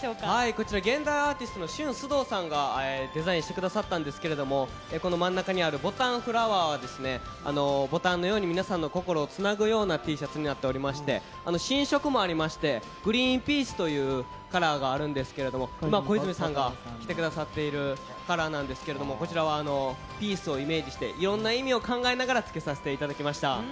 こちら、現代アーティストのＳＨＵＮＳＵＤＯさんがデザインしてくださったんですけれども、この真ん中にあるＢＵＴＴＯＮＦＬＯＷＥＲはですね、ボタンのように皆さんの心をつなぐようなＴシャツになっておりまして、新色もありまして、グリーンピースというカラーがあるんですけど、小泉さんが着てくださっているカラーなんですけども、こちらはピースをイメージして、いろんな意味を考えながらつけさせていただきました。